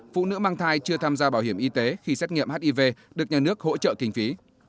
phụ nữ mang thai chưa tham gia bảo hiểm y tế khi xét nghiệm hiv được nhà nước hỗ trợ kinh phí